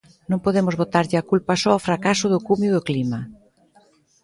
Non podemos botarlle a culpa só ó fracaso do cumio do clima.